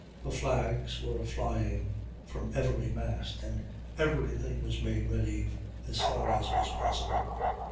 Her flags were flying from every mast, and every thing was made ready as far as was possible.